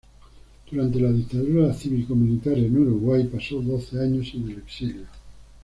Durante la dictadura cívico-militar en Uruguay pasó doce años en el exilio.